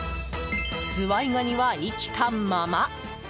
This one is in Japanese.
ズワイガニは生きたまま。